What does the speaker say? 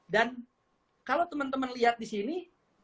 dan kalau teman teman lihat disini